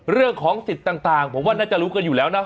เรื่องของสิทธิ์ต่างผมว่าน่าจะรู้กันอยู่แล้วนะ